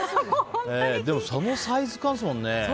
そのサイズ感ですもんね。